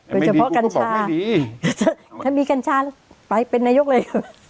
แต่ไม่ดีกูก็บอกไม่ดีถ้ามีกัญชาไปเป็นนายกเลย